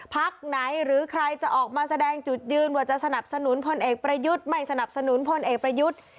พักไหนหรือใครจะออกมาแสดงจุดยืนว่าจะสนับสนุนพลเอกประยุทธ์ไม่สนับสนุนพลเอกประยุทธ์